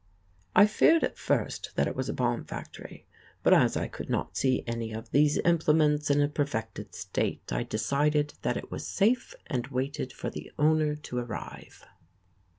I feared at first that it was a bomb factory, but as I could not see any of these implements in a perfected state I decided that it was safe and waited for the owner to arrive.